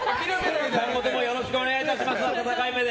今後ともよろしくお願いいたします。